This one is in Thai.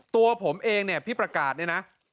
ตัวผมเองเนี่ยพี่ประกาศเนี่ยนะ